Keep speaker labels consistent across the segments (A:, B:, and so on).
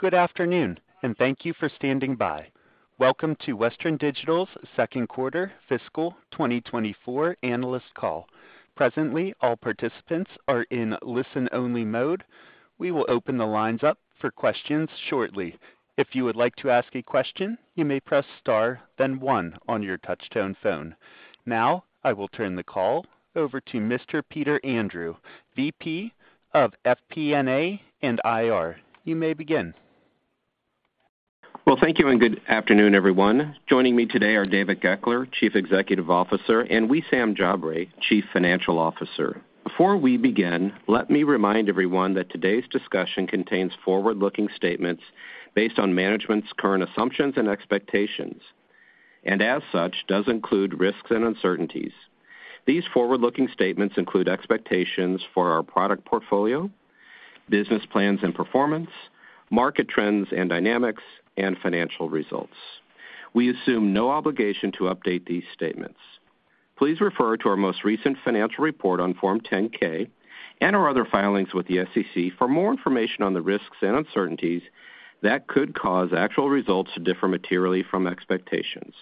A: Good afternoon, and thank you for standing by. Welcome to Western Digital's Second Quarter Fiscal 2024 analyst call. Presently, all participants are in listen-only mode. We will open the lines up for questions shortly. If you would like to ask a question, you may press Star, then one on your touch-tone phone. Now, I will turn the call over to Mr. Peter Andrew, VP of FP&A and IR. You may begin.
B: Well, thank you, and good afternoon, everyone. Joining me today are David Goeckeler, Chief Executive Officer, and Wissam Jabre, Chief Financial Officer. Before we begin, let me remind everyone that today's discussion contains forward-looking statements based on management's current assumptions and expectations, and as such, does include risks and uncertainties. These forward-looking statements include expectations for our product portfolio, business plans and performance, market trends and dynamics, and financial results. We assume no obligation to update these statements. Please refer to our most recent financial report on Form 10-K and our other filings with the SEC for more information on the risks and uncertainties that could cause actual results to differ materially from expectations.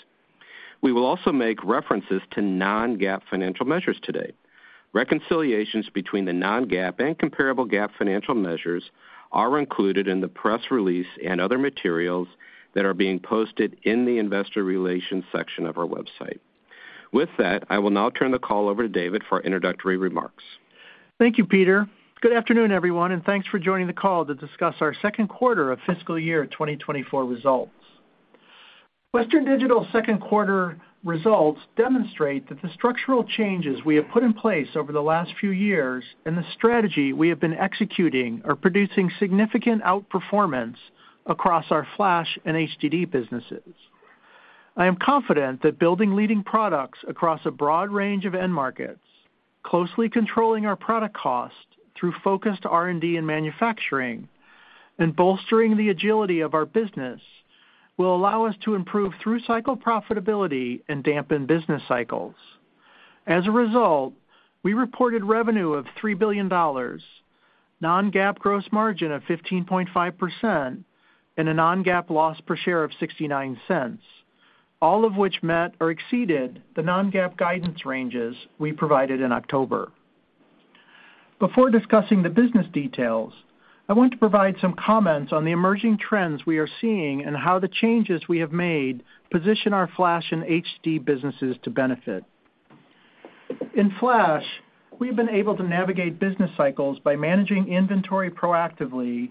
B: We will also make references to non-GAAP financial measures today. Reconciliations between the non-GAAP and comparable GAAP financial measures are included in the press release and other materials that are being posted in the investor relations section of our website. With that, I will now turn the call over to David for introductory remarks.
C: Thank you, Peter. Good afternoon, everyone, and thanks for joining the call to discuss our second quarter of fiscal year 2024 results. Western Digital's second quarter results demonstrate that the structural changes we have put in place over the last few years and the strategy we have been executing are producing significant outperformance across our flash and HDD businesses. I am confident that building leading products across a broad range of end markets, closely controlling our product cost through focused R&D and manufacturing, and bolstering the agility of our business will allow us to improve through-cycle profitability and dampen business cycles. As a result, we reported revenue of $3 billion, non-GAAP gross margin of 15.5%, and a non-GAAP loss per share of $0.69, all of which met or exceeded the non-GAAP guidance ranges we provided in October. Before discussing the business details, I want to provide some comments on the emerging trends we are seeing and how the changes we have made position our flash and HD businesses to benefit. In flash, we've been able to navigate business cycles by managing inventory proactively,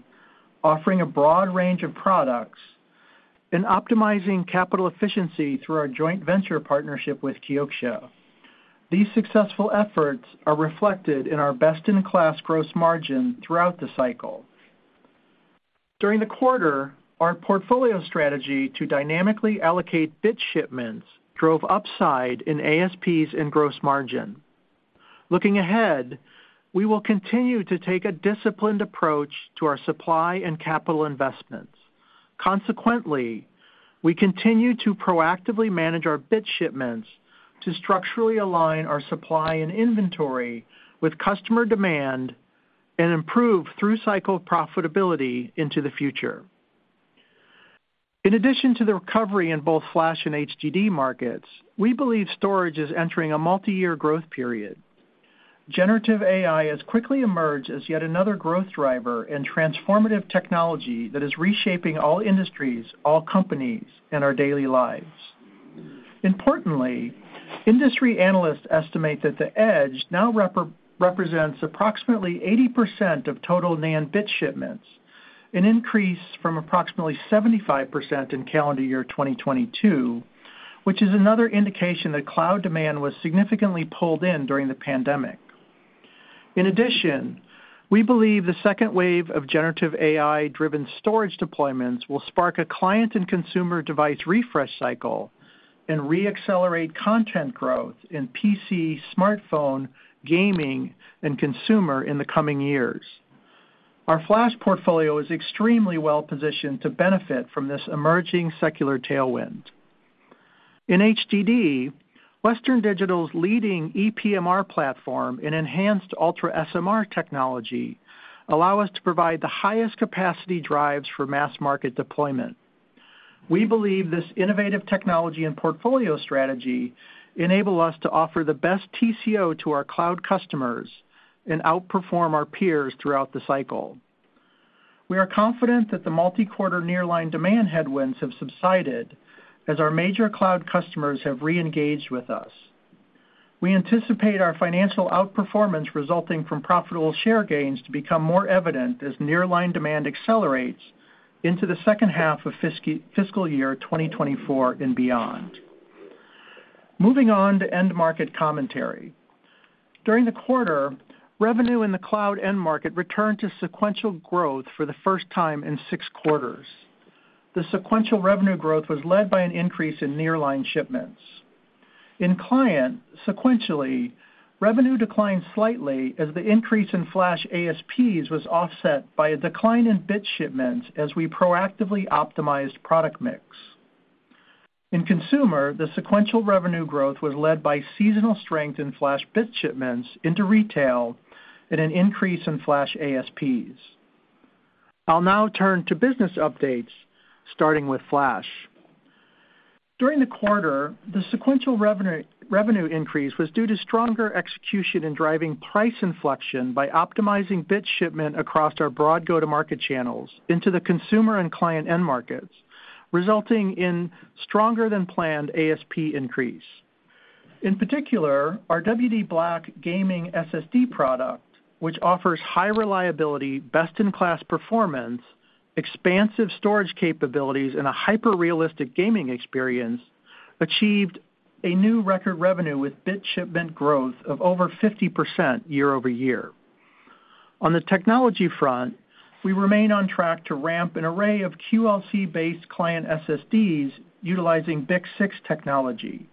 C: offering a broad range of products, and optimizing capital efficiency through our joint venture partnership with Kioxia. These successful efforts are reflected in our best-in-class gross margin throughout the cycle. During the quarter, our portfolio strategy to dynamically allocate bit shipments drove upside in ASPs and gross margin. Looking ahead, we will continue to take a disciplined approach to our supply and capital investments. Consequently, we continue to proactively manage our bit shipments to structurally align our supply and inventory with customer demand and improve through-cycle profitability into the future. In addition to the recovery in both flash and HDD markets, we believe storage is entering a multi-year growth period. Generative AI has quickly emerged as yet another growth driver and transformative technology that is reshaping all industries, all companies, and our daily lives. Importantly, industry analysts estimate that the edge now represents approximately 80% of total NAND bit shipments, an increase from approximately 75% in calendar year 2022, which is another indication that cloud demand was significantly pulled in during the pandemic. In addition, we believe the second wave of generative AI-driven storage deployments will spark a client and consumer device refresh cycle and re-accelerate content growth in PC, smartphone, gaming, and consumer in the coming years. Our flash portfolio is extremely well-positioned to benefit from this emerging secular tailwind. In HDD, Western Digital's leading EPMR platform and enhanced UltraSMR technology allow us to provide the highest capacity drives for mass market deployment. We believe this innovative technology and portfolio strategy enable us to offer the best TCO to our cloud customers and outperform our peers throughout the cycle. We are confident that the multi-quarter nearline demand headwinds have subsided as our major cloud customers have reengaged with us. We anticipate our financial outperformance resulting from profitable share gains to become more evident as nearline demand accelerates into the second half of fiscal year 2024 and beyond. Moving on to end-market commentary. During the quarter, revenue in the cloud end market returned to sequential growth for the first time in six quarters. The sequential revenue growth was led by an increase in nearline shipments. In client, sequentially, revenue declined slightly as the increase in flash ASPs was offset by a decline in bit shipments as we proactively optimized product mix. In consumer, the sequential revenue growth was led by seasonal strength in flash bit shipments into retail and an increase in flash ASPs. I'll now turn to business updates, starting with flash. During the quarter, the sequential revenue increase was due to stronger execution in driving price inflection by optimizing bit shipment across our broad go-to-market channels into the consumer and client end markets, resulting in stronger than planned ASP increase. In particular, our WD_BLACK Gaming SSD product, which offers high reliability, best-in-class performance, expansive storage capabilities, and a hyper-realistic gaming experience, achieved a new record revenue with bit shipment growth of over 50% year-over-year. On the technology front, we remain on track to ramp an array of QLC-based client SSDs utilizing BiCS6 technology.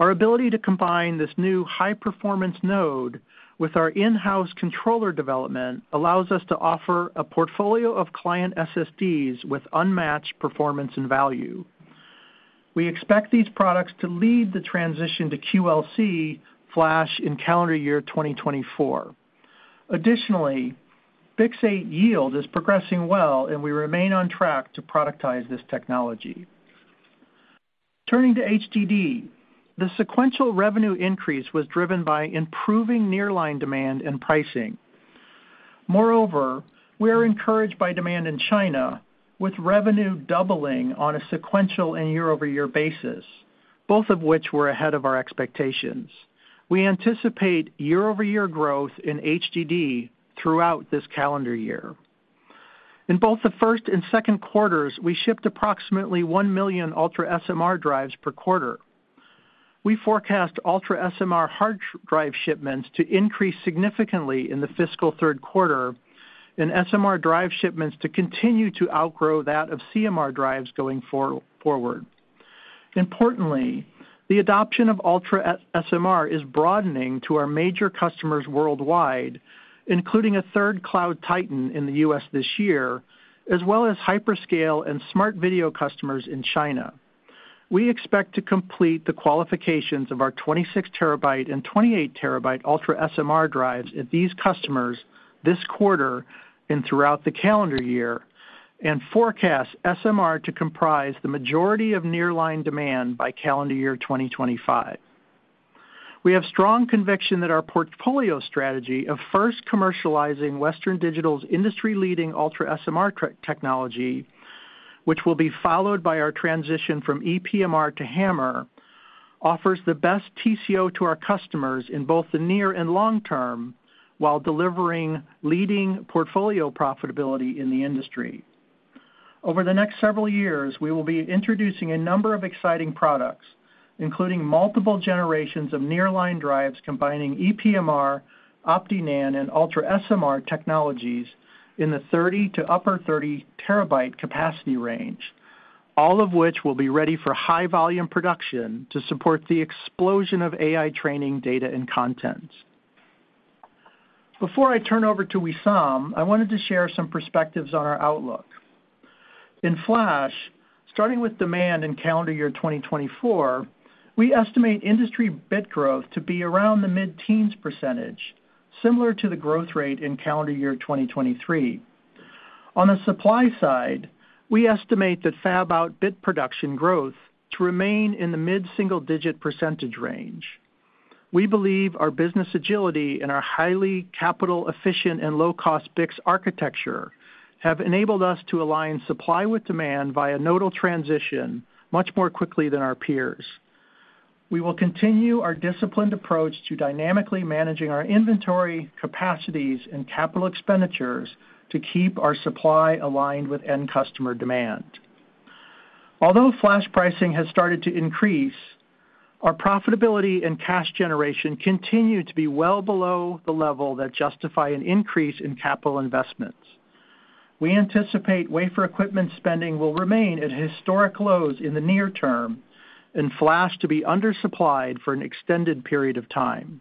C: Our ability to combine this new high-performance node with our in-house controller development allows us to offer a portfolio of client SSDs with unmatched performance and value. We expect these products to lead the transition to QLC flash in calendar year 2024. Additionally, BiCS6 yield is progressing well, and we remain on track to productize this technology. Turning to HDD, the sequential revenue increase was driven by improving nearline demand and pricing. Moreover, we are encouraged by demand in China, with revenue doubling on a sequential and year-over-year basis, both of which were ahead of our expectations. We anticipate year-over-year growth in HDD throughout this calendar year. In both the first and second quarters, we shipped approximately 1 million UltraSMR drives per quarter. We forecast UltraSMR hard drive shipments to increase significantly in the fiscal third quarter, and SMR drive shipments to continue to outgrow that of CMR drives going forward. Importantly, the adoption of UltraSMR is broadening to our major customers worldwide, including a third cloud titan in the U.S. this year, as well as hyperscale and smart video customers in China. We expect to complete the qualifications of our 26 TB and 28 TB UltraSMR drives at these customers this quarter and throughout the calendar year, and forecast SMR to comprise the majority of nearline demand by calendar year 2025. We have strong conviction that our portfolio strategy of first commercializing Western Digital's industry-leading UltraSMR technology, which will be followed by our transition from EPMR to HAMR, offers the best TCO to our customers in both the near and long term, while delivering leading portfolio profitability in the industry. Over the next several years, we will be introducing a number of exciting products, including multiple generations of nearline drives, combining EPMR, OptiNAND, and UltraSMR technologies in the 30- to upper-30-TB capacity range, all of which will be ready for high-volume production to support the explosion of AI training, data, and content. Before I turn over to Wissam, I wanted to share some perspectives on our outlook. In flash, starting with demand in calendar year 2024, we estimate industry bit growth to be around the mid-teens percentage, similar to the growth rate in calendar year 2023. On the supply side, we estimate that fab-out bit production growth to remain in the mid-single-digit percentage range. We believe our business agility and our highly capital-efficient and low-cost BiCS architecture have enabled us to align supply with demand via nodal transition much more quickly than our peers. We will continue our disciplined approach to dynamically managing our inventory capacities and capital expenditures to keep our supply aligned with end customer demand. Although flash pricing has started to increase, our profitability and cash generation continue to be well below the level that justify an increase in capital investments. We anticipate wafer equipment spending will remain at historic lows in the near term and flash to be undersupplied for an extended period of time.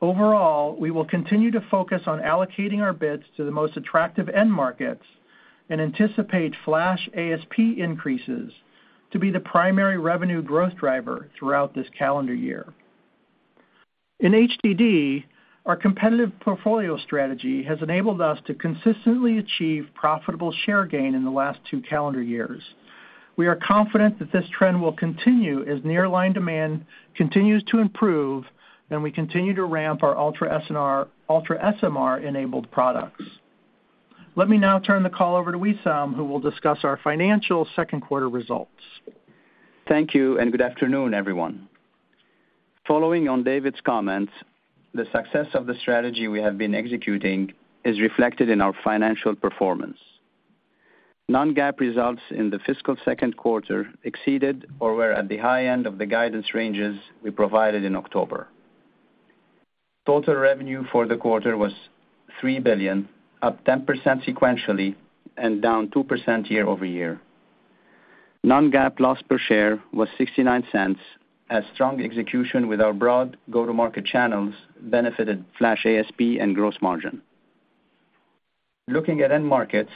C: Overall, we will continue to focus on allocating our bits to the most attractive end markets and anticipate flash ASP increases to be the primary revenue growth driver throughout this calendar year. In HDD, our competitive portfolio strategy has enabled us to consistently achieve profitable share gain in the last two calendar years. We are confident that this trend will continue as nearline demand continues to improve, and we continue to ramp our UltraSMR, UltraSMR-enabled products. Let me now turn the call over to Wissam, who will discuss our financial second quarter results.
D: Thank you, and good afternoon, everyone. Following on David's comments, the success of the strategy we have been executing is reflected in our financial performance. Non-GAAP results in the fiscal second quarter exceeded or were at the high end of the guidance ranges we provided in October. Total revenue for the quarter was $3 billion, up 10% sequentially and down 2% year-over-year. Non-GAAP loss per share was $0.69, as strong execution with our broad go-to-market channels benefited flash ASP and gross margin.... Looking at end markets,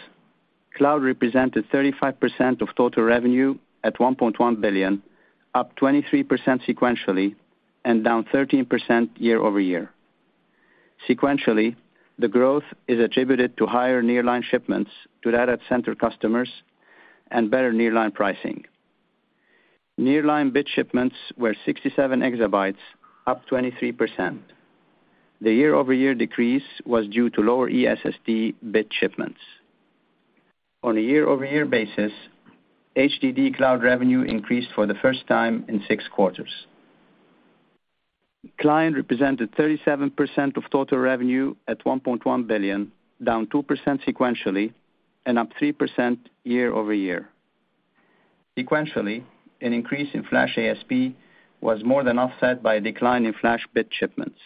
D: cloud represented 35% of total revenue at $1.1 billion, up 23% sequentially and down 13% year-over-year. Sequentially, the growth is attributed to higher nearline shipments to data center customers and better nearline pricing. Nearline bit shipments were 67 exabytes, up 23%. The year-over-year decrease was due to lower eSSD bit shipments. On a year-over-year basis, HDD cloud revenue increased for the first time in six quarters. Client represented 37% of total revenue at $1.1 billion, down 2% sequentially and up 3% year-over-year. Sequentially, an increase in flash ASP was more than offset by a decline in flash bit shipments.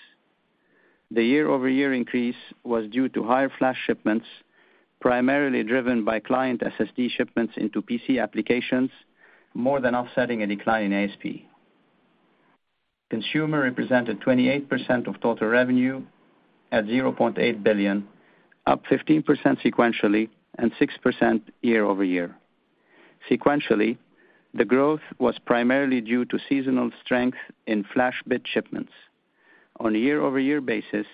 D: The year-over-year increase was due to higher flash shipments, primarily driven by client SSD shipments into PC applications, more than offsetting a decline in ASP. Consumer represented 28% of total revenue at $0.8 billion, up 15% sequentially and 6% year-over-year. Sequentially, the growth was primarily due to seasonal strength in flash bit shipments. On a year-over-year basis,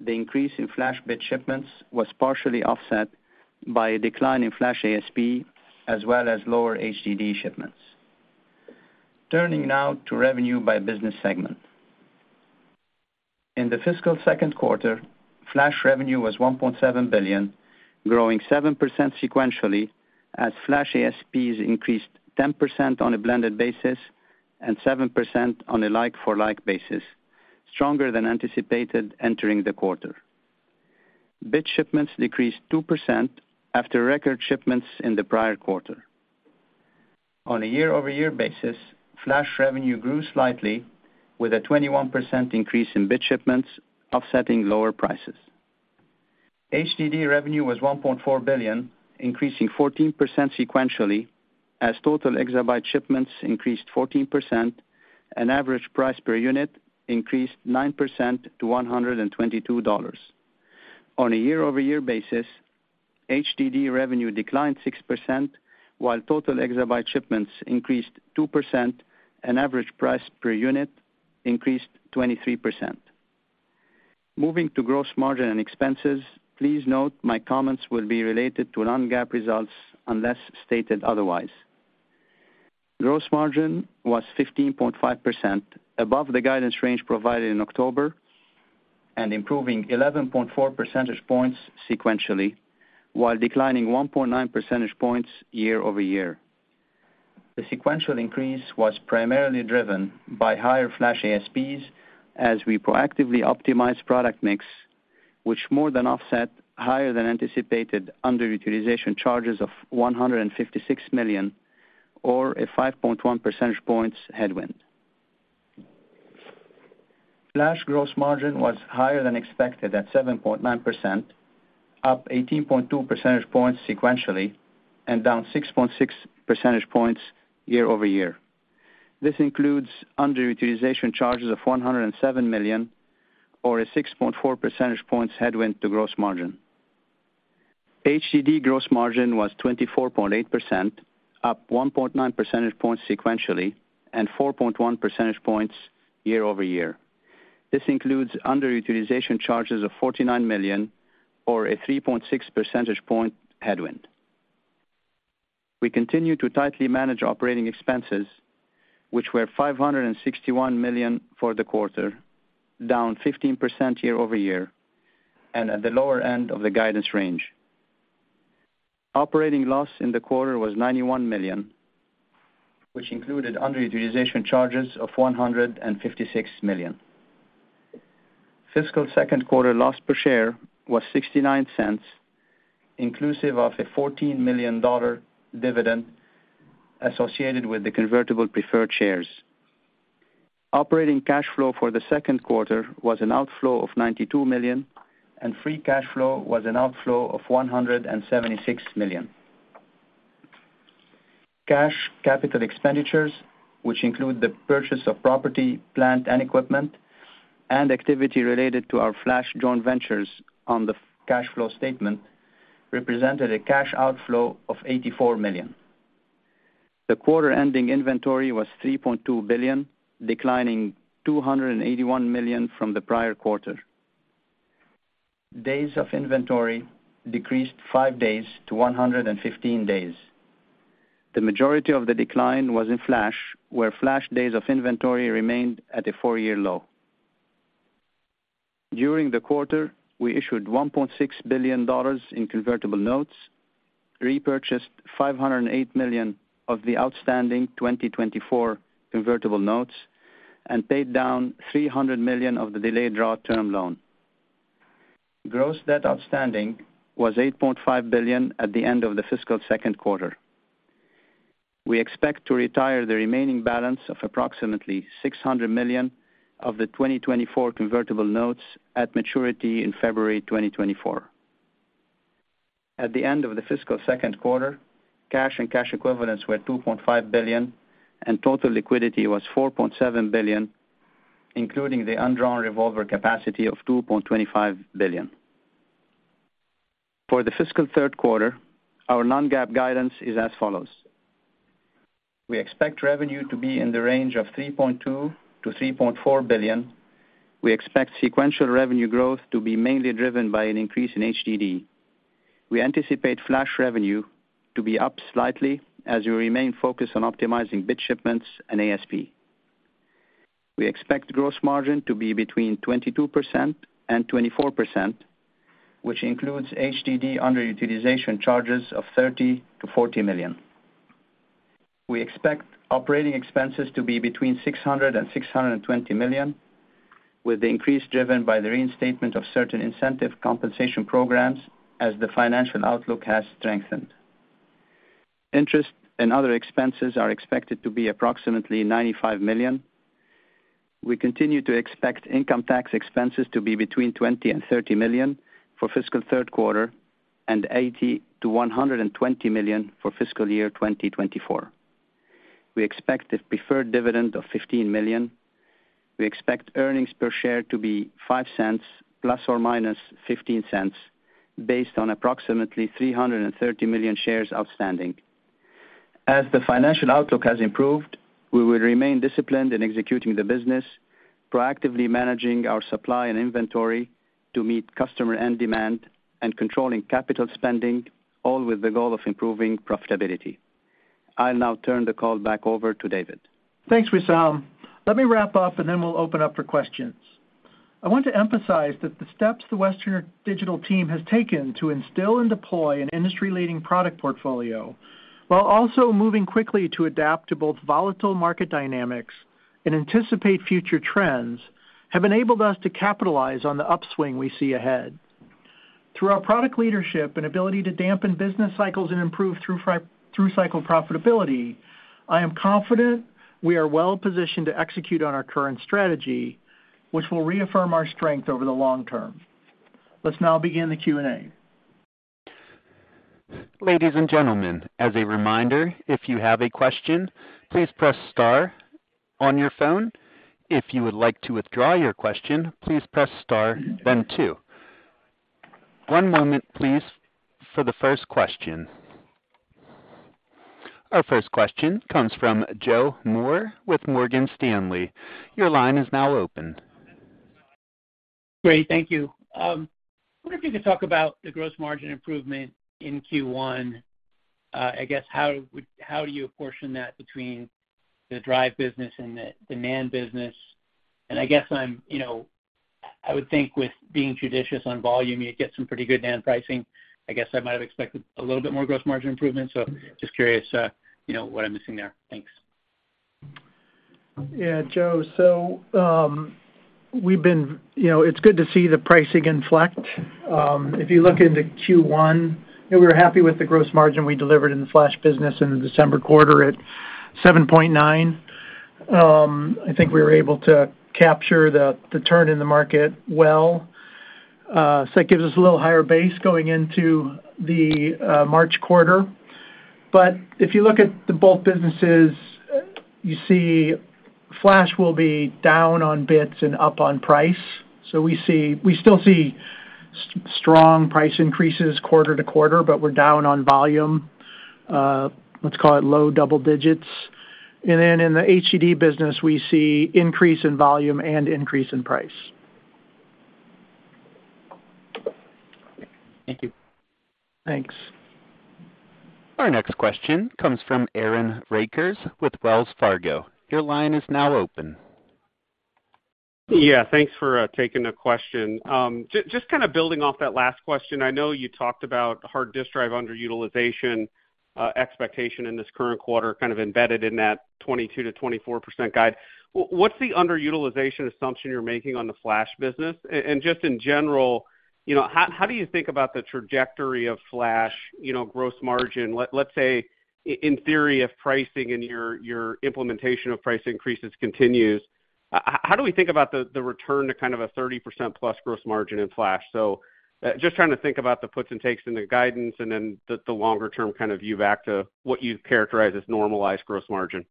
D: the increase in flash bit shipments was partially offset by a decline in flash ASP, as well as lower HDD shipments. Turning now to revenue by business segment. In the fiscal second quarter, flash revenue was $1.7 billion, growing 7% sequentially, as flash ASPs increased 10% on a blended basis and 7% on a like-for-like basis, stronger than anticipated entering the quarter. Bit shipments decreased 2% after record shipments in the prior quarter. On a year-over-year basis, flash revenue grew slightly, with a 21% increase in bit shipments, offsetting lower prices. HDD revenue was $1.4 billion, increasing 14% sequentially, as total exabyte shipments increased 14%, and average price per unit increased 9% to $122. On a year-over-year basis, HDD revenue declined 6%, while total exabyte shipments increased 2%, and average price per unit increased 23%. Moving to gross margin and expenses, please note my comments will be related to non-GAAP results unless stated otherwise. Gross margin was 15.5%, above the guidance range provided in October and improving 11.4 percentage points sequentially, while declining 1.9 percentage points year-over-year. The sequential increase was primarily driven by higher flash ASPs as we proactively optimized product mix, which more than offset higher than anticipated underutilization charges of $156 million, or a 5.1 percentage points headwind. Flash gross margin was higher than expected at 7.9%, up 18.2 percentage points sequentially and down 6.6 percentage points year-over-year. This includes underutilization charges of $107 million, or a 6.4 percentage points headwind to gross margin. HDD gross margin was 24.8%, up 1.9 percentage points sequentially and 4.1 percentage points year-over-year. This includes underutilization charges of $49 million, or a 3.6 percentage point headwind. We continue to tightly manage operating expenses, which were $561 million for the quarter, down 15% year-over-year, and at the lower end of the guidance range. Operating loss in the quarter was $91 million, which included underutilization charges of $156 million. Fiscal second quarter loss per share was $0.69, inclusive of a $14 million dividend associated with the convertible preferred shares. Operating cash flow for the second quarter was an outflow of $92 million, and free cash flow was an outflow of $176 million. Cash capital expenditures, which include the purchase of property, plant, and equipment, and activity related to our flash joint ventures on the cash flow statement, represented a cash outflow of $84 million. The quarter-ending inventory was $3.2 billion, declining $281 million from the prior quarter. Days of inventory decreased five days to 115 days. The majority of the decline was in flash, where flash days of inventory remained at a 4-year low. During the quarter, we issued $1.6 billion in convertible notes, repurchased $508 million of the outstanding 2024 convertible notes, and paid down $300 million of the delayed draw term loan. Gross debt outstanding was $8.5 billion at the end of the fiscal second quarter. We expect to retire the remaining balance of approximately $600 million of the 2024 convertible notes at maturity in February 2024. At the end of the fiscal second quarter, cash and cash equivalents were $2.5 billion, and total liquidity was $4.7 billion.... including the undrawn revolver capacity of $2.25 billion. For the fiscal third quarter, our non-GAAP guidance is as follows: We expect revenue to be in the range of $3.2 billion-$3.4 billion. We expect sequential revenue growth to be mainly driven by an increase in HDD. We anticipate flash revenue to be up slightly as we remain focused on optimizing bit shipments and ASP. We expect gross margin to be between 22% and 24%, which includes HDD underutilization charges of $30 million-$40 million. We expect operating expenses to be between $600 million and $620 million, with the increase driven by the reinstatement of certain incentive compensation programs as the financial outlook has strengthened. Interest and other expenses are expected to be approximately $95 million. We continue to expect income tax expenses to be between $20 million and $30 million for fiscal third quarter and $80 million-$120 million for fiscal year 2024. We expect a preferred dividend of $15 million. We expect earnings per share to be $0.05 ± $0.15, based on approximately 330 million shares outstanding. As the financial outlook has improved, we will remain disciplined in executing the business, proactively managing our supply and inventory to meet customer end demand and controlling capital spending, all with the goal of improving profitability. I'll now turn the call back over to David.
C: Thanks, Wissam. Let me wrap up, and then we'll open up for questions. I want to emphasize that the steps the Western Digital team has taken to instill and deploy an industry-leading product portfolio, while also moving quickly to adapt to both volatile market dynamics and anticipate future trends, have enabled us to capitalize on the upswing we see ahead. Through our product leadership and ability to dampen business cycles and improve through cycle profitability, I am confident we are well-positioned to execute on our current strategy, which will reaffirm our strength over the long term. Let's now begin the Q&A.
A: Ladies and gentlemen, as a reminder, if you have a question, please press star on your phone. If you would like to withdraw your question, please press star, then two. One moment, please, for the first question. Our first question comes from Joe Moore with Morgan Stanley. Your line is now open.
E: Great, thank you. I wonder if you could talk about the gross margin improvement in Q1. I guess, how do you apportion that between the drive business and the NAND business? And I guess I'm, you know, I would think with being judicious on volume, you'd get some pretty good NAND pricing. I guess I might have expected a little bit more gross margin improvement, so just curious, you know, what I'm missing there. Thanks.
C: Yeah, Joe, so we've been, you know, it's good to see the pricing inflect. If you look into Q1, we were happy with the gross margin we delivered in the flash business in the December quarter at 7.9%. I think we were able to capture the turn in the market well. So that gives us a little higher base going into the March quarter. But if you look at the bulk businesses, you see flash will be down on bits and up on price. So we see we still see strong price increases quarter to quarter, but we're down on volume, let's call it low double digits. And then in the HDD business, we see increase in volume and increase in price.
E: Thank you.
C: Thanks.
A: Our next question comes from Aaron Rakers with Wells Fargo. Your line is now open.
F: Yeah, thanks for taking the question. Just kind of building off that last question, I know you talked about hard disk drive underutilization expectation in this current quarter, kind of embedded in that 22%-24% guide. What's the underutilization assumption you're making on the flash business? And just in general, you know, how do you think about the trajectory of flash, you know, gross margin? Let's say, in theory, if pricing and your implementation of price increases continues, how do we think about the return to kind of a 30%+ gross margin in flash? So, just trying to think about the puts and takes in the guidance and then the longer-term kind of view back to what you've characterized as normalized gross margin.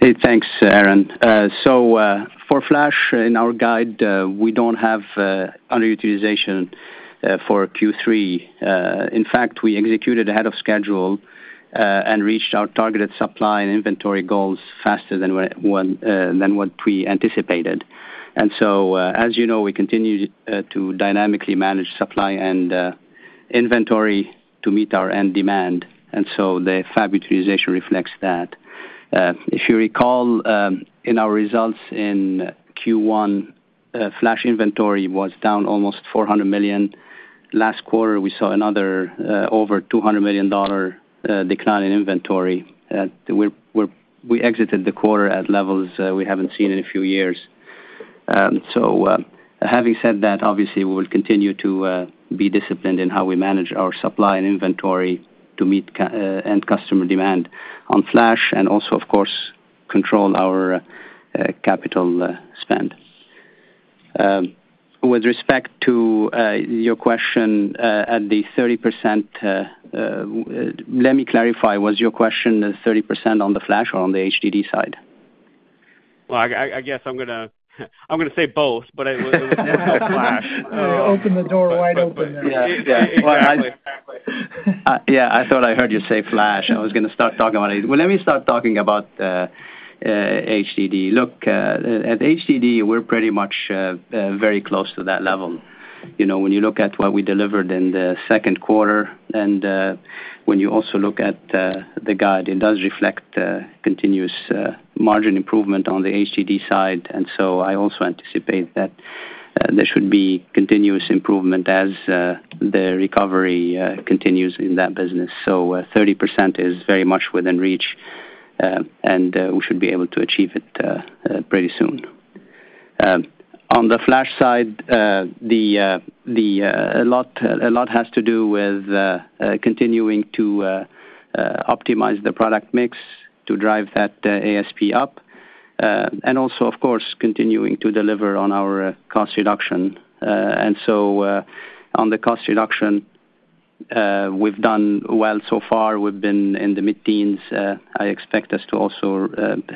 D: Hey, thanks, Aaron. So, for flash, in our guide, we don't have underutilization for Q3. In fact, we executed ahead of schedule and reached our targeted supply and inventory goals faster than what we anticipated. And so, as you know, we continue to dynamically manage supply and inventory to meet our end demand, and so the fab utilization reflects that. If you recall, in our results in Q1, flash inventory was down almost $400 million. Last quarter, we saw another over $200 million dollar decline in inventory. We exited the quarter at levels we haven't seen in a few years. So, having said that, obviously, we will continue to be disciplined in how we manage our supply and inventory to meet end customer demand on flash and also, of course, control our capital spend. With respect to your question at the 30%, let me clarify. Was your question the 30% on the flash or on the HDD side?
F: Well, I guess I'm gonna say both, but I was flash.
C: You opened the door wide open there.
F: Yeah. Yeah, exactly.
D: Yeah, I thought I heard you say flash, and I was gonna start talking about it. Well, let me start talking about HDD. Look at HDD, we're pretty much very close to that level. You know, when you look at what we delivered in the second quarter, and when you also look at the guide, it does reflect continuous margin improvement on the HDD side, and so I also anticipate that there should be continuous improvement as the recovery continues in that business. So 30% is very much within reach, and we should be able to achieve it pretty soon. On the flash side, a lot has to do with continuing to optimize the product mix to drive that ASP up, and also, of course, continuing to deliver on our cost reduction. And so, on the cost reduction, we've done well so far. We've been in the mid-teens. I expect us to also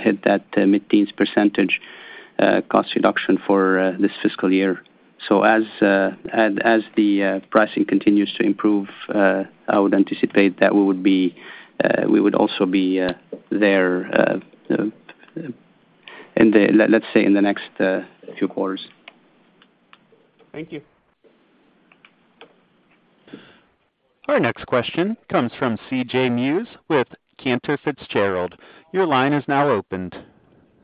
D: hit that mid-teens percentage cost reduction for this fiscal year. So as the pricing continues to improve, I would anticipate that we would be there, let's say, in the next few quarters.
F: Thank you.
A: Our next question comes from CJ Muse with Cantor Fitzgerald. Your line is now opened.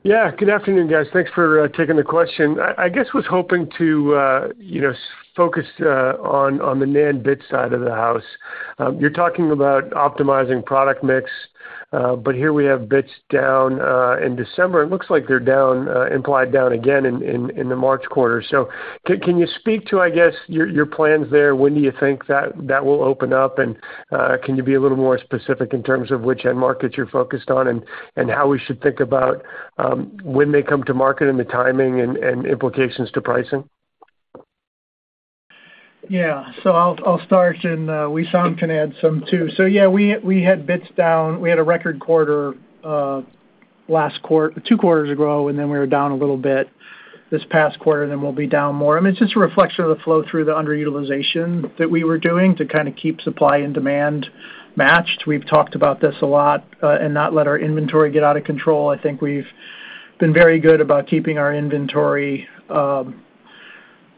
G: Yeah, good afternoon, guys. Thanks for taking the question. I guess was hoping to, you know, focus on the NAND bit side of the house. You're talking about optimizing product mix, but here we have bits down in December. It looks like they're down, implied down again in the March quarter. So can you speak to, I guess, your plans there? When do you think that will open up? And can you be a little more specific in terms of which end markets you're focused on, and how we should think about when they come to market and the timing and implications to pricing?
C: Yeah. So I'll start, and Wissam can add some, too. So yeah, we had bits down. We had a record quarter last quarter—two quarters ago, and then we were down a little bit this past quarter, and then we'll be down more. I mean, it's just a reflection of the flow through the underutilization that we were doing to kind of keep supply and demand matched. We've talked about this a lot, and not let our inventory get out of control. I think we've been very good about keeping our inventory.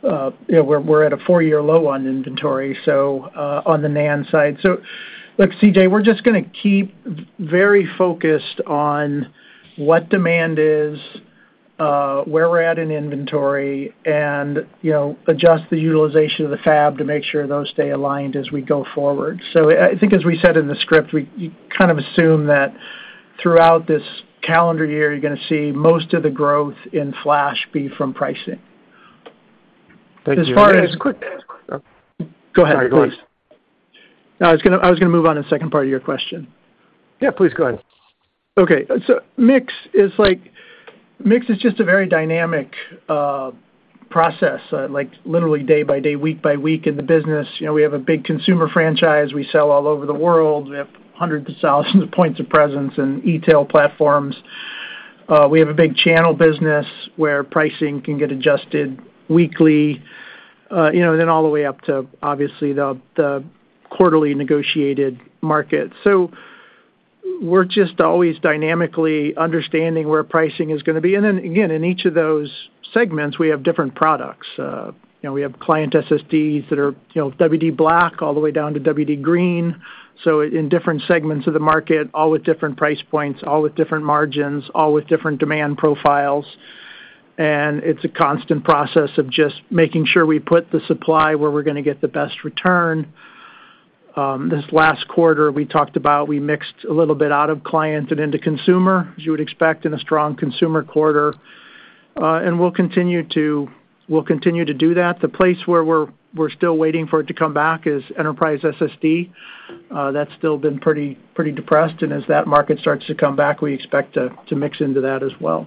C: We're at a four-year low on inventory, so on the NAND side. So look, CJ, we're just gonna keep very focused on what demand is, where we're at in inventory, and, you know, adjust the utilization of the fab to make sure those stay aligned as we go forward. So I think, as we said in the script, we kind of assume that throughout this calendar year, you're gonna see most of the growth in flash be from pricing.
G: Thank you.
C: As far as-
G: Quick, quick-
C: Go ahead, please.
G: Sorry, go ahead.
C: I was gonna move on to the second part of your question.
G: Yeah, please go ahead.
C: Okay. So mix is like, mix is just a very dynamic process, like, literally day by day, week by week in the business. You know, we have a big consumer franchise. We sell all over the world. We have hundreds of thousands of points of presence in e-tail platforms. We have a big channel business, where pricing can get adjusted weekly, you know, then all the way up to, obviously, the quarterly negotiated market. So we're just always dynamically understanding where pricing is gonna be. And then, again, in each of those segments, we have different products. You know, we have client SSDs that are, you know, WD_BLACK all the way down to WD Green, so in different segments of the market, all with different price points, all with different margins, all with different demand profiles. It's a constant process of just making sure we put the supply where we're gonna get the best return. This last quarter, we talked about we mixed a little bit out of client and into consumer, as you would expect in a strong consumer quarter, and we'll continue to, we'll continue to do that. The place where we're, we're still waiting for it to come back is enterprise SSD. That's still been pretty, pretty depressed, and as that market starts to come back, we expect to, to mix into that as well.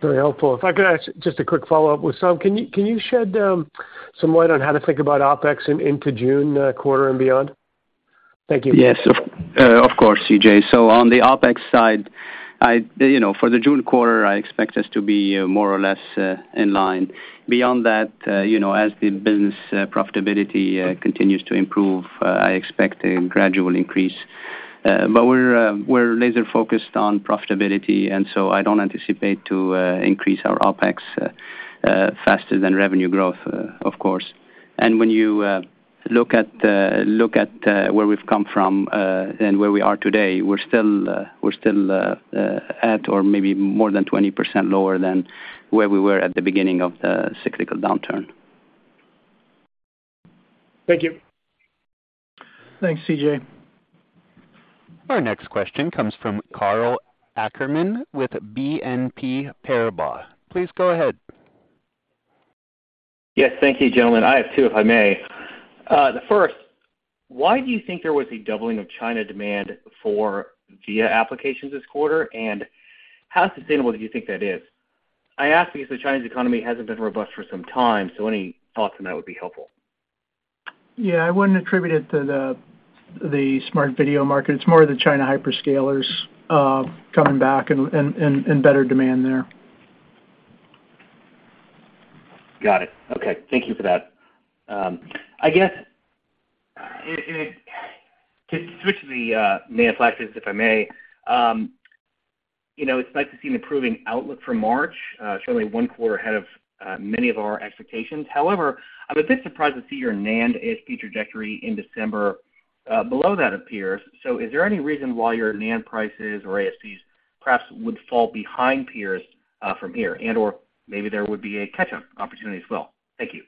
G: Very helpful. If I could ask just a quick follow-up. Wissam, can you shed some light on how to think about OpEx into June quarter and beyond? Thank you.
D: Yes, of course, CJ. So on the OpEx side, I, you know, for the June quarter, I expect us to be more or less in line. Beyond that, you know, as the business profitability continues to improve, I expect a gradual increase. But we're laser focused on profitability, and so I don't anticipate to increase our OpEx faster than revenue growth, of course. And when you look at where we've come from and where we are today, we're still at or maybe more than 20% lower than where we were at the beginning of the cyclical downturn.
G: Thank you.
C: Thanks, CJ.
A: Our next question comes from Karl Ackerman with BNP Paribas. Please go ahead....
H: Yes, thank you, gentlemen. I have two, if I may. The first, why do you think there was a doubling of China demand for HDD applications this quarter, and how sustainable do you think that is? I ask because the Chinese economy hasn't been robust for some time, so any thoughts on that would be helpful.
C: Yeah, I wouldn't attribute it to the smart video market. It's more of the China hyperscalers coming back and better demand there.
H: Got it. Okay. Thank you for that. I guess, and to switch to the NAND flashes, if I may. You know, it's nice to see an improving outlook for March, certainly a quarter ahead of many of our expectations. However, I was a bit surprised to see your NAND ASP trajectory in December, below that of peers. So is there any reason why your NAND prices or ASPs perhaps would fall behind peers, from here, and/or maybe there would be a catch-up opportunity as well? Thank you.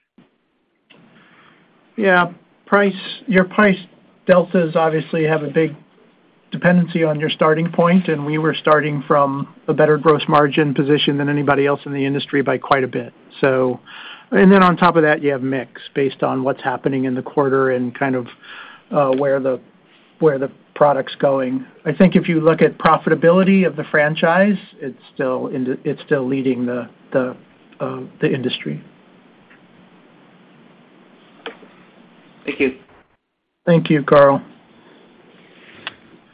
C: Yeah. Price, your price deltas obviously have a big dependency on your starting point, and we were starting from a better gross margin position than anybody else in the industry by quite a bit. So, and then on top of that, you have mix based on what's happening in the quarter and kind of, where the product's going. I think if you look at profitability of the franchise, it's still in the—it's still leading the industry.
H: Thank you.
C: Thank you, Karl.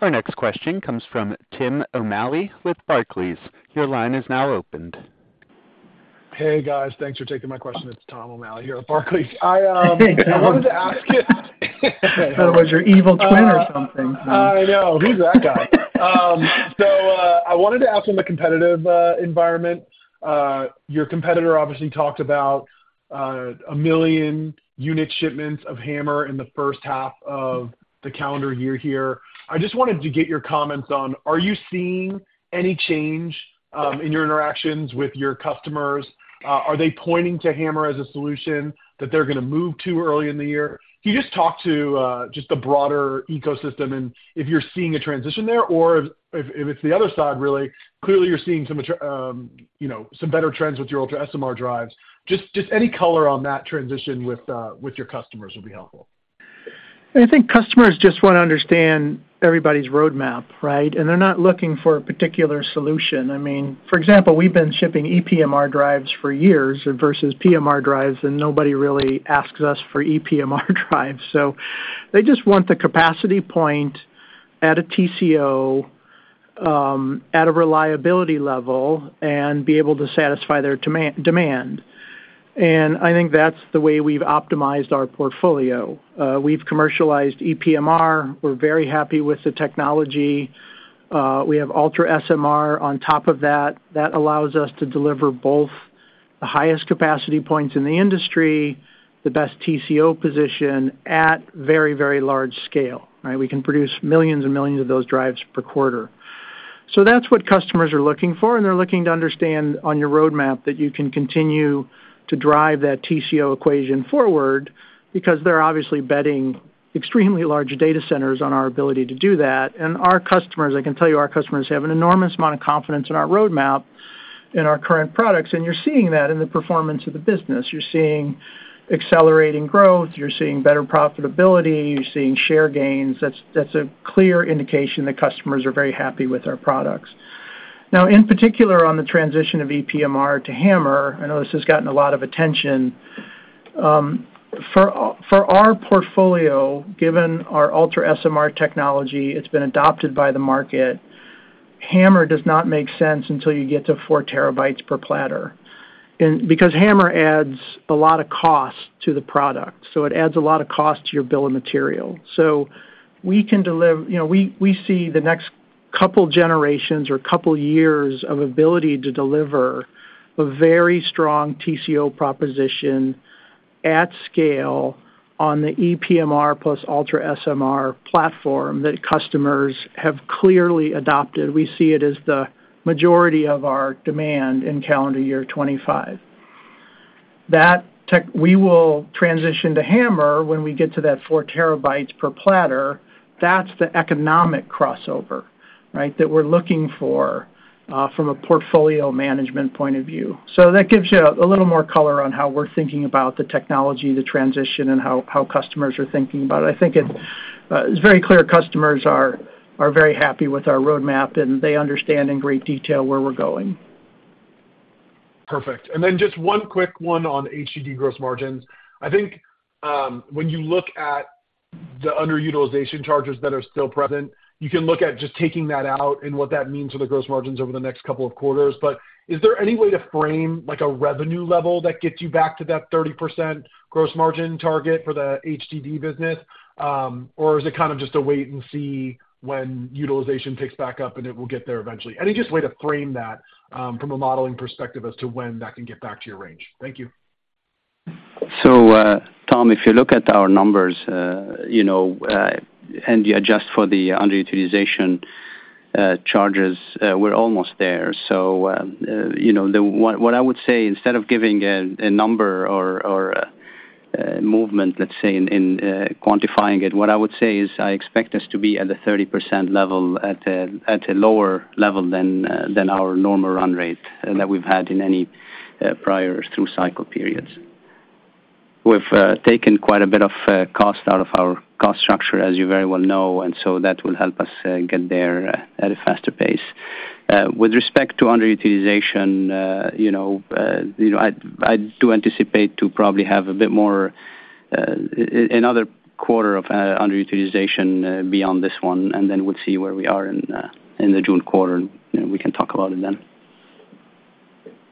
A: Our next question comes from Tom O'Malley with Barclays. Your line is now opened.
I: Hey, guys. Thanks for taking my question. It's Tom O'Malley here at Barclays. I wanted to ask you-
C: So was your evil twin or something?
I: I know. Who's that guy? I wanted to ask on the competitive environment. Your competitor obviously talked about 1 million unit shipments of HAMR in the first half of the calendar year here. I just wanted to get your comments on, are you seeing any change in your interactions with your customers? Are they pointing to HAMR as a solution that they're going to move to early in the year? Can you just talk to just the broader ecosystem and if you're seeing a transition there, or if it's the other side, really, clearly, you're seeing some better trends with your UltraSMR drives. Just any color on that transition with your customers would be helpful.
C: I think customers just want to understand everybody's roadmap, right? And they're not looking for a particular solution. I mean, for example, we've been shipping EPMR drives for years versus PMR drives, and nobody really asks us for EPMR drives. So they just want the capacity point at a TCO, at a reliability level and be able to satisfy their demand. And I think that's the way we've optimized our portfolio. We've commercialized EPMR. We're very happy with the technology. We have UltraSMR on top of that. That allows us to deliver both the highest capacity points in the industry, the best TCO position at very, very large scale, right? We can produce millions and millions of those drives per quarter. So that's what customers are looking for, and they're looking to understand on your roadmap that you can continue to drive that TCO equation forward because they're obviously betting extremely large data centers on our ability to do that. Our customers, I can tell you, our customers have an enormous amount of confidence in our roadmap, in our current products, and you're seeing that in the performance of the business. You're seeing accelerating growth, you're seeing better profitability, you're seeing share gains. That's, that's a clear indication that customers are very happy with our products. Now, in particular, on the transition of EPMR to HAMR, I know this has gotten a lot of attention. For our portfolio, given our UltraSMR technology, it's been adopted by the market, HAMR does not make sense until you get to 4 TB per platter. And because HAMR adds a lot of cost to the product, so it adds a lot of cost to your bill of material. So we can deliver. You know, we, we see the next couple generations or couple years of ability to deliver a very strong TCO proposition at scale on the EPMR+ UltraSMR platform that customers have clearly adopted. We see it as the majority of our demand in calendar year 2025. That we will transition to HAMR when we get to that 4 TB per platter. That's the economic crossover, right, that we're looking for from a portfolio management point of view. So that gives you a little more color on how we're thinking about the technology, the transition, and how, how customers are thinking about it. I think it's very clear customers are very happy with our roadmap, and they understand in great detail where we're going.
I: Perfect. Then just one quick one on HDD gross margins. I think, when you look at the underutilization charges that are still present, you can look at just taking that out and what that means for the gross margins over the next couple of quarters. But is there any way to frame, like, a revenue level that gets you back to that 30% gross margin target for the HDD business? Or is it kind of just a wait and see when utilization picks back up and it will get there eventually? Any just way to frame that, from a modeling perspective as to when that can get back to your range. Thank you.
D: So, Tom, if you look at our numbers, you know, and you adjust for the underutilization charges, we're almost there. What I would say, instead of giving a number or a movement, let's say, in quantifying it, is I expect us to be at the 30% level, at a lower level than our normal run rate that we've had in any prior through cycle periods. We've taken quite a bit of cost out of our cost structure, as you very well know, and so that will help us get there at a faster pace. With respect to underutilization, you know, you know, I do anticipate to probably have a bit more, another quarter of underutilization beyond this one, and then we'll see where we are in the June quarter, and we can talk about it then.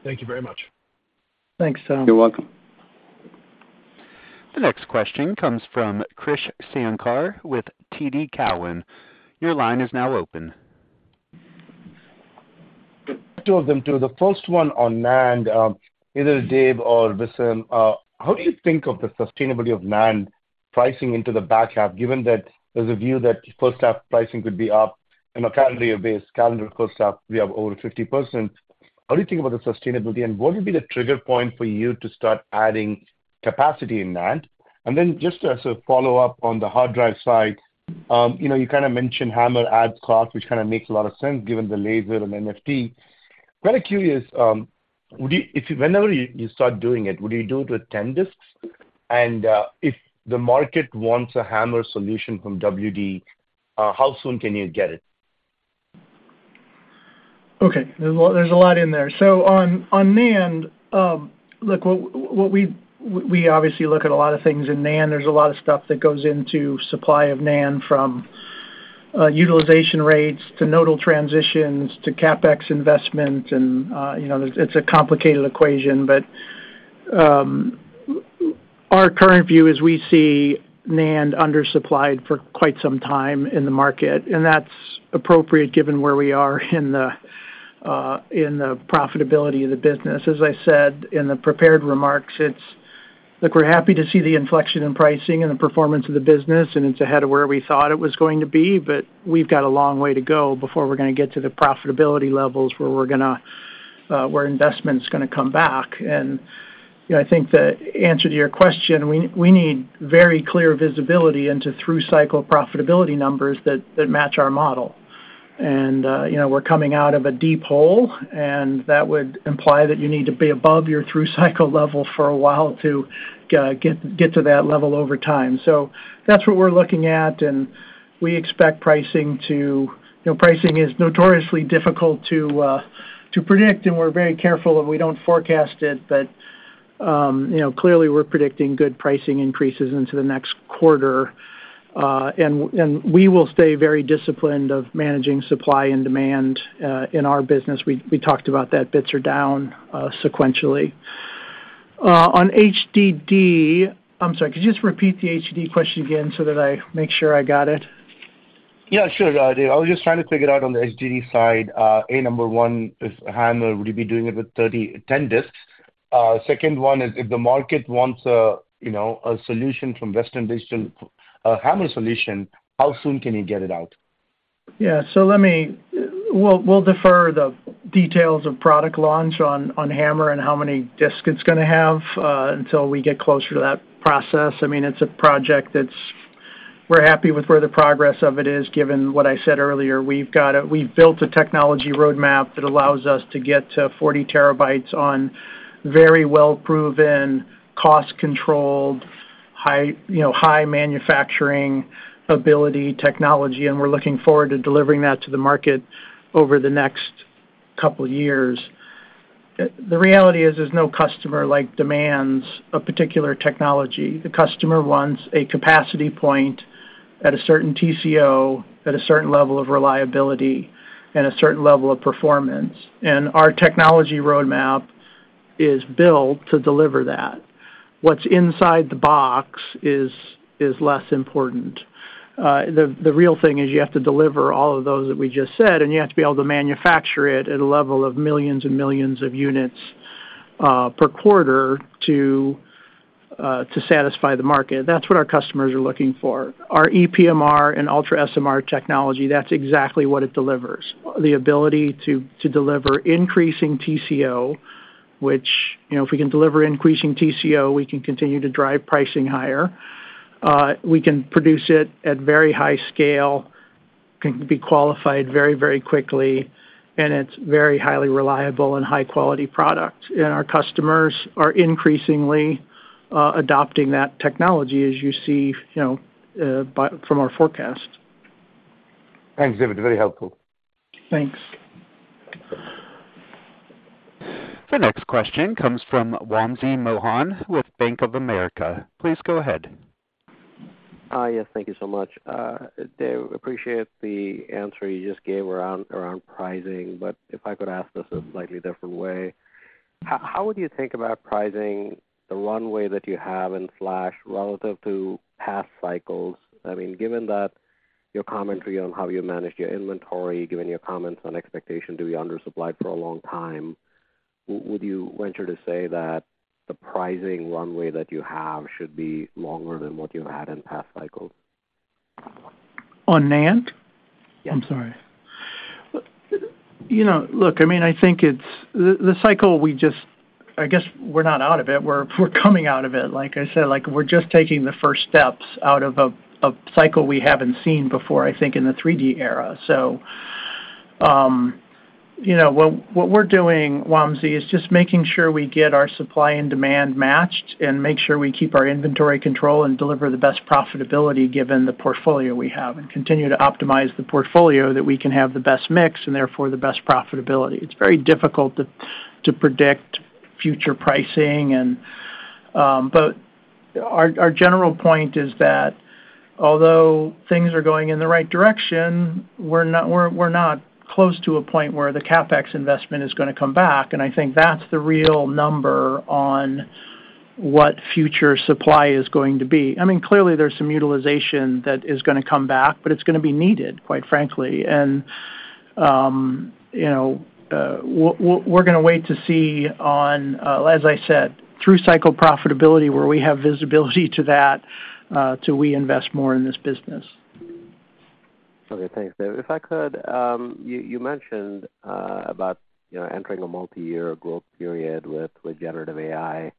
I: Thank you very much.
C: Thanks, Tom.
D: You're welcome.
A: The next question comes from Krish Sankar with TD Cowen. Your line is now open.
J: Two of them, two. The first one on NAND, either Dave or Wissam. How do you think of the sustainability of NAND pricing into the back half, given that there's a view that first half pricing could be up, and a calendar year base, calendar first half, we have over 50%. How do you think about the sustainability, and what would be the trigger point for you to start adding capacity in NAND? And then just as a follow-up on the hard drive side, you know, you kind of mentioned HAMR adds cost, which kind of makes a lot of sense given the laser and NFT. Kind of curious, would you—if whenever you, you start doing it, would you do it with 10 disks? And, if the market wants a HAMR solution from WD, how soon can you get it?
C: Okay, there's a lot, there's a lot in there. So on NAND, look, what we obviously look at a lot of things in NAND. There's a lot of stuff that goes into supply of NAND, from utilization rates to nodal transitions to CapEx investment, and you know, it's a complicated equation. But our current view is we see NAND undersupplied for quite some time in the market, and that's appropriate given where we are in the profitability of the business. As I said in the prepared remarks, it's. Look, we're happy to see the inflection in pricing and the performance of the business, and it's ahead of where we thought it was going to be, but we've got a long way to go before we're going to get to the profitability levels where we're going to where investment's going to come back. And, you know, I think the answer to your question, we need very clear visibility into through-cycle profitability numbers that match our model. And, you know, we're coming out of a deep hole, and that would imply that you need to be above your through-cycle level for a while to get to that level over time. So that's what we're looking at, and we expect pricing to... You know, pricing is notoriously difficult to predict, and we're very careful, and we don't forecast it. But you know, clearly, we're predicting good pricing increases into the next quarter. And we will stay very disciplined of managing supply and demand in our business. We talked about that, bits are down sequentially. On HDD, I'm sorry, could you just repeat the HDD question again so that I make sure I got it?
J: Yeah, sure, Dave. I was just trying to figure out on the HDD side, A, number one, if HAMR, would you be doing it with 30, 10 disks? Second one is, if the market wants a, you know, a solution from Western Digital, a HAMR solution, how soon can you get it out?
C: Yeah, so we'll defer the details of product launch on HAMR and how many disks it's going to have until we get closer to that process. I mean, it's a project that's. We're happy with where the progress of it is, given what I said earlier. We've built a technology roadmap that allows us to get to 40 TB on very well-proven, cost-controlled, high, you know, high manufacturing ability technology, and we're looking forward to delivering that to the market over the next couple years. The reality is, there's no customer, like, demands a particular technology. The customer wants a capacity point at a certain TCO, at a certain level of reliability, and a certain level of performance. And our technology roadmap is built to deliver that. What's inside the box is less important. The real thing is you have to deliver all of those that we just said, and you have to be able to manufacture it at a level of millions and millions of units per quarter to satisfy the market. That's what our customers are looking for. Our EPMR and UltraSMR technology, that's exactly what it delivers. The ability to deliver increasing TCO, which, you know, if we can deliver increasing TCO, we can continue to drive pricing higher. We can produce it at very high scale, can be qualified very, very quickly, and it's very highly reliable and high-quality product. And our customers are increasingly adopting that technology, as you see, you know, by from our forecast.
J: Thanks, David. Very helpful.
C: Thanks.
A: The next question comes from Wamsi Mohan with Bank of America. Please go ahead.
K: Hi, yes. Thank you so much. Dave, appreciate the answer you just gave around pricing, but if I could ask this a slightly different way. How would you think about pricing the runway that you have in Flash relative to past cycles? I mean, given that your commentary on how you managed your inventory, given your comments on expectation to be undersupplied for a long time, would you venture to say that the pricing runway that you have should be longer than what you had in past cycles?
C: ...On NAND? I'm sorry. You know, look, I mean, I think it's the cycle, we just I guess we're not out of it. We're coming out of it. Like I said, like, we're just taking the first steps out of a cycle we haven't seen before, I think, in the 3D era. So, you know, what we're doing, Wamsi, is just making sure we get our supply and demand matched, and make sure we keep our inventory control and deliver the best profitability, given the portfolio we have, and continue to optimize the portfolio, that we can have the best mix, and therefore, the best profitability. It's very difficult to predict future pricing and... But our general point is that although things are going in the right direction, we're not close to a point where the CapEx investment is gonna come back, and I think that's the real number on what future supply is going to be. I mean, clearly, there's some utilization that is gonna come back, but it's gonna be needed, quite frankly. You know, we're gonna wait to see on, as I said, through cycle profitability, where we have visibility to that, till we invest more in this business.
K: Okay, thanks, David. If I could, you mentioned about, you know, entering a multiyear growth period with generative AI,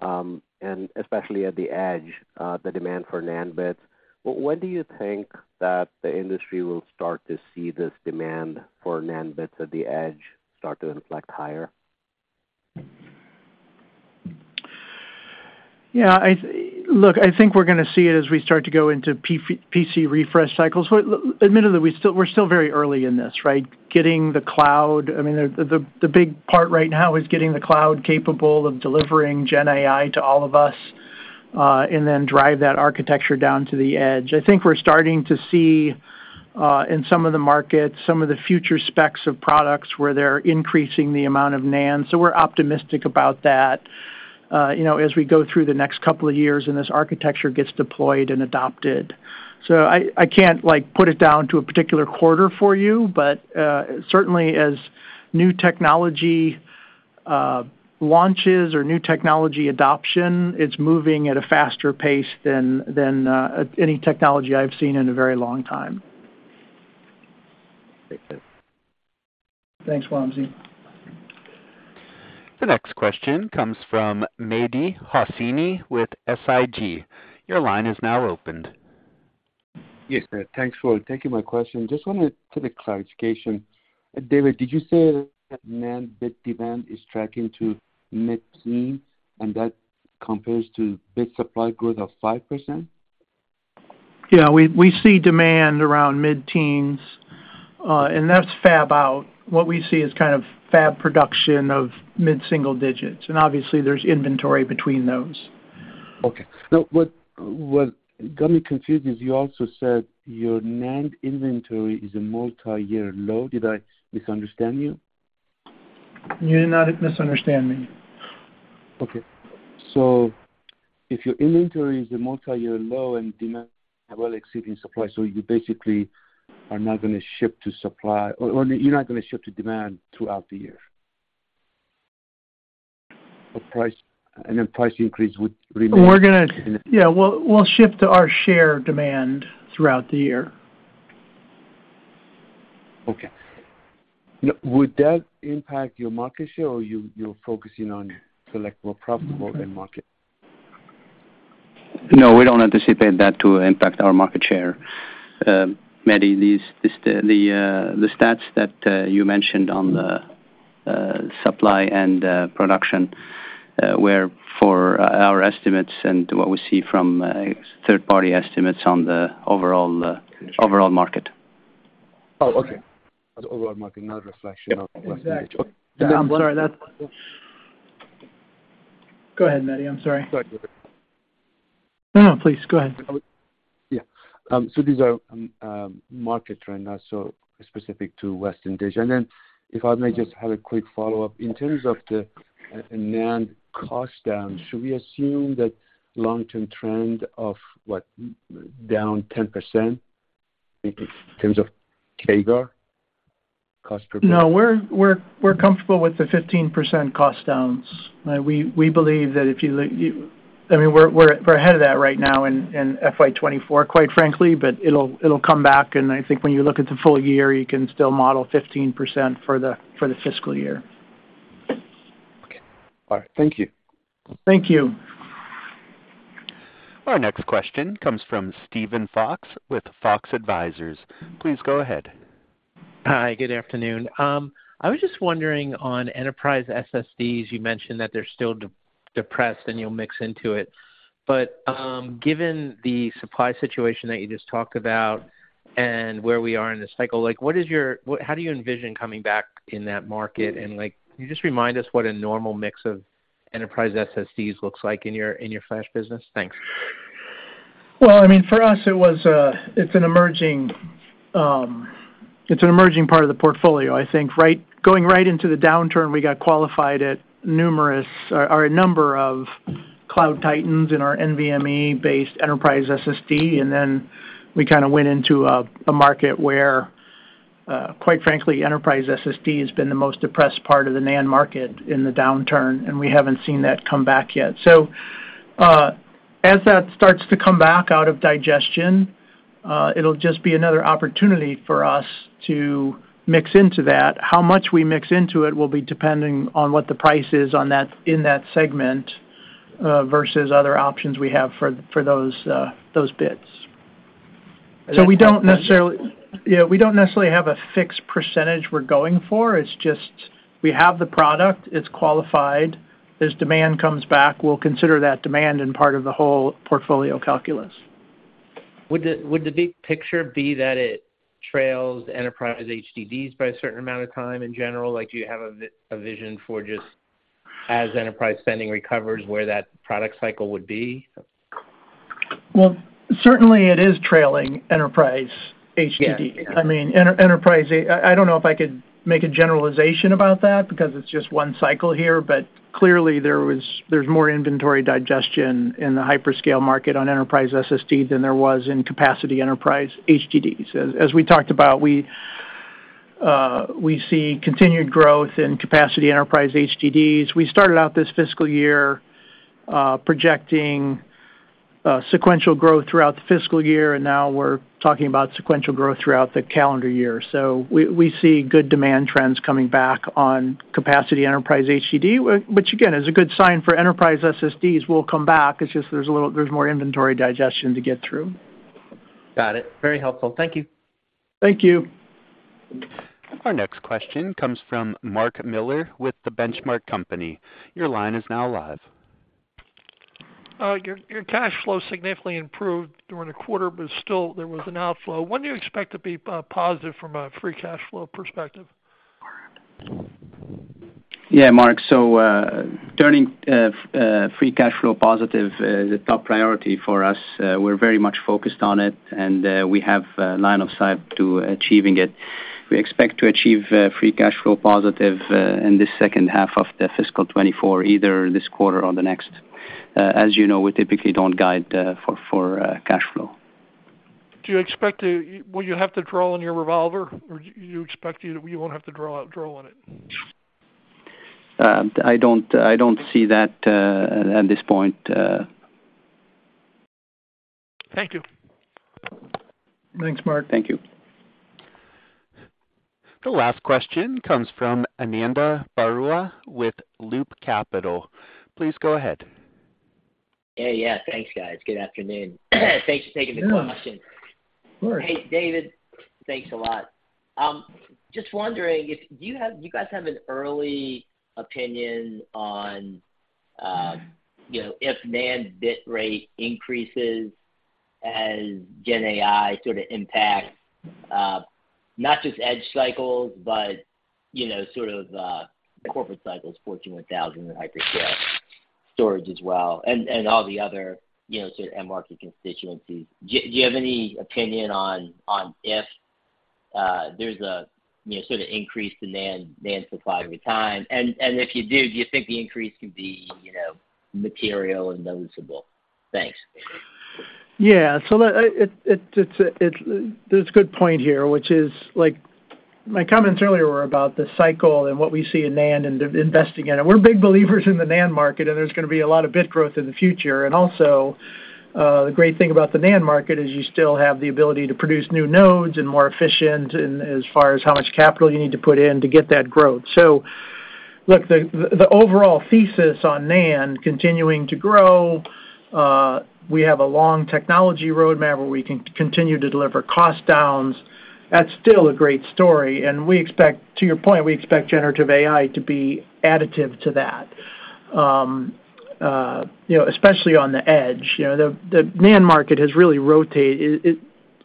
K: and especially at the edge, the demand for NAND bits. When do you think that the industry will start to see this demand for NAND bits at the edge start to inflect higher?
C: Yeah, look, I think we're gonna see it as we start to go into PC refresh cycles. Well, admittedly, we're still very early in this, right? Getting the cloud... I mean, the big part right now is getting the cloud capable of delivering Gen AI to all of us, and then drive that architecture down to the edge. I think we're starting to see in some of the markets some of the future specs of products where they're increasing the amount of NAND. So we're optimistic about that, you know, as we go through the next couple of years, and this architecture gets deployed and adopted. So I can't, like, put it down to a particular quarter for you, but certainly as new technology launches or new technology adoption, it's moving at a faster pace than any technology I've seen in a very long time.
K: Thank you.
C: Thanks, Wamsi.
A: The next question comes from Mehdi Hosseini with SIG. Your line is now opened.
L: Yes, thanks for taking my question. Just wanted the clarification. David, did you say that NAND bit demand is tracking to mid-teen, and that compares to bit supply growth of 5%?
C: Yeah, we, we see demand around mid-teens, and that's fab out. What we see is kind of fab production of mid-single digits, and obviously, there's inventory between those.
L: Okay. Now, what, what got me confused is you also said your NAND inventory is a multiyear low. Did I misunderstand you?
C: You did not misunderstand me.
L: Okay. So if your inventory is a multiyear low, and demand well exceeding supply, so you basically are not gonna ship to supply, or you're not gonna ship to demand throughout the year. But price, and then price increase would remain-
C: We're gonna... Yeah, we'll, we'll ship to our share demand throughout the year.
L: Okay. Now, would that impact your market share, or you, you're focusing on select more profitable end market?
D: No, we don't anticipate that to impact our market share. Mehdi, these, the stats that you mentioned on the supply and production were for our estimates and what we see from third-party estimates on the overall market.
L: Oh, okay. The overall market, not a reflection of-
C: Exactly. I'm sorry. Go ahead, Mehdi. I'm sorry.
L: Sorry.
C: No, please go ahead.
L: Yeah. So these are market trend, not so specific to Western Digital. And then, if I may just have a quick follow-up. In terms of the NAND cost down, should we assume that long-term trend of what, down 10% in terms of CAGR cost per?
C: No, we're comfortable with the 15% cost downs. We believe that if you look, I mean, we're ahead of that right now in FY 2024, quite frankly, but it'll come back, and I think when you look at the full year, you can still model 15% for the fiscal year.
L: Okay. All right, thank you.
C: Thank you.
A: Our next question comes from Steven Fox, with Fox Advisors. Please go ahead.
M: Hi, good afternoon. I was just wondering, on enterprise SSDs, you mentioned that they're still depressed, and you'll mix into it. But, given the supply situation that you just talked about and where we are in the cycle, like, how do you envision coming back in that market? And, like, can you just remind us what a normal mix of enterprise SSDs looks like in your flash business? Thanks.
C: Well, I mean, for us, it was a... It's an emerging part of the portfolio. I think, going right into the downturn, we got qualified at a number of cloud titans in our NVMe-based enterprise SSD, and then we kind of went into a market where, quite frankly, enterprise SSD has been the most depressed part of the NAND market in the downturn, and we haven't seen that come back yet. As that starts to come back out of digestion, it'll just be another opportunity for us to mix into that. How much we mix into it will be depending on what the price is on that in that segment, versus other options we have for those bids. So we don't necessarily... Yeah, we don't necessarily have a fixed percentage we're going for. It's just, we have the product, it's qualified. As demand comes back, we'll consider that demand in part of the whole portfolio calculus.
M: Would the big picture be that it trails enterprise HDDs by a certain amount of time in general? Like, do you have a vision for just as enterprise spending recovers, where that product cycle would be?
C: Well, certainly it is trailing enterprise HDD.
M: Yeah.
C: I mean, enterprise, I, I don't know if I could make a generalization about that, because it's just one cycle here, but clearly, there's more inventory digestion in the hyperscale market on enterprise SSD than there was in capacity enterprise HDDs. As we talked about, we see continued growth in capacity enterprise HDDs. We started out this fiscal year, projecting sequential growth throughout the fiscal year, and now we're talking about sequential growth throughout the calendar year. So we see good demand trends coming back on capacity enterprise HDD, which, again, is a good sign for enterprise SSDs will come back. It's just there's a little more inventory digestion to get through.
M: Got it. Very helpful. Thank you.
C: Thank you.
A: Our next question comes from Mark Miller with The Benchmark Company. Your line is now live.
N: Your cash flow significantly improved during the quarter, but still there was an outflow. When do you expect to be positive from a free cash flow perspective?
D: Yeah, Mark. So, turning free cash flow positive is a top priority for us. We're very much focused on it, and we have a line of sight to achieving it. We expect to achieve free cash flow positive in the second half of the fiscal 2024, either this quarter or the next. As you know, we typically don't guide for cash flow.
N: Do you expect to... Will you have to draw on your revolver, or do you expect you won't have to draw on it?
D: I don't see that at this point.
N: Thank you.
C: Thanks, Mark.
D: Thank you.
A: The last question comes from Ananda Baruah with Loop Capital. Please go ahead.
O: Hey, yeah, thanks, guys. Good afternoon. Thanks for taking the question.
C: Sure.
O: Hey, David. Thanks a lot. Just wondering if you have—you guys have an early opinion on, you know, if NAND bit rate increases as Gen AI sort of impacts, not just edge cycles but, you know, sort of, corporate cycles, Fortune 1000 and hyperscale storage as well, and all the other, you know, sort of, end market constituencies. Do you have any opinion on if there's a, you know, sort of increase in NAND supply over time? And if you do, do you think the increase could be, you know, material and noticeable? Thanks.
C: Yeah. So, it's a good point here, which is, like, my comments earlier were about the cycle and what we see in NAND and investing in it. We're big believers in the NAND market, and there's gonna be a lot of bit growth in the future. And also, the great thing about the NAND market is you still have the ability to produce new nodes and more efficient in as far as how much capital you need to put in to get that growth. So look, the overall thesis on NAND continuing to grow, we have a long technology roadmap where we can continue to deliver cost downs. That's still a great story, and we expect, to your point, we expect generative AI to be additive to that. You know, especially on the edge. You know, the NAND market has really rotated,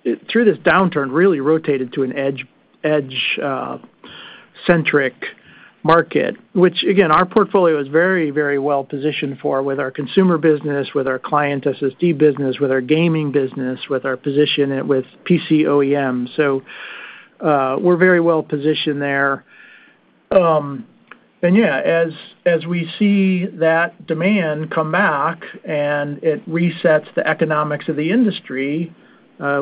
C: it through this downturn, really rotated to an edge-centric market, which, again, our portfolio is very, very well positioned for, with our consumer business, with our client SSD business, with our gaming business, with our position with PC OEM. So, we're very well positioned there. And yeah, as we see that demand come back and it resets the economics of the industry,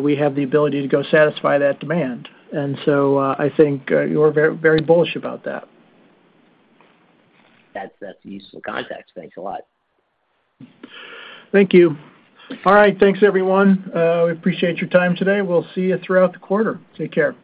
C: we have the ability to go satisfy that demand. And so, I think, we're very, very bullish about that.
O: That's useful context. Thanks a lot.
C: Thank you. All right, thanks, everyone. We appreciate your time today. We'll see you throughout the quarter. Take care.